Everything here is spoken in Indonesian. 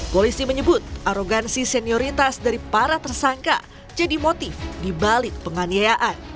polisi menyebut arogansi senioritas dari para tersangka jadi motif dibalik penganiayaan